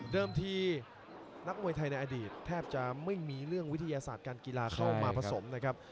ทีนักมวยไทยในอดีตแทบจะไม่มีเรื่องวิทยาศาสตร์การกีฬาเข้ามาผสมนะครับ